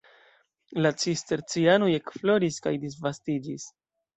La Cistercianoj ekfloris kaj disvastiĝis.